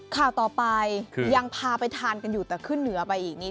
ข่าวต่อไปยังพาไปทานกันอยู่แต่ขึ้นเหนือไปอีกนี่